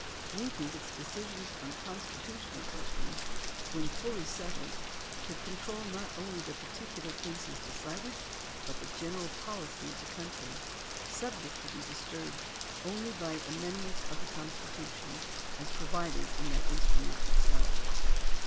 We t,hink its decisions on constitutional questions, when fully settled, should control not only the particular cases de cided, but the general policy of the country, subject to he disturbed only by amendments of the Constitution as provided in that in strument itself.